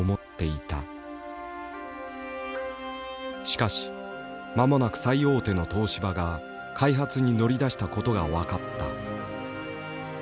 しかしまもなく最大手の東芝が開発に乗り出したことが分かった。